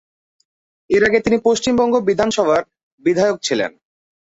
এর আগে, তিনি পশ্চিমবঙ্গ বিধানসভার বিধায়ক ছিলেন।